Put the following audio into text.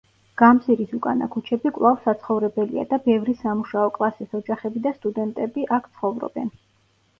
გამზირის უკანა ქუჩები კვლავ საცხოვრებელია და ბევრი სამუშაო კლასის ოჯახები და სტუდენტები, აქ ცხოვრობენ.